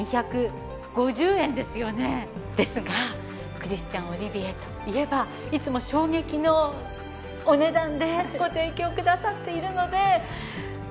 ですがクリスチャン・オリビエといえばいつも衝撃のお値段でご提供くださっているので。